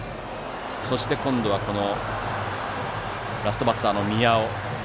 そして、今度はラストバッターの宮尾。